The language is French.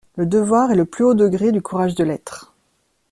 Le devoir est le plus haut degré du courage de l’être.